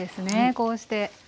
こうして。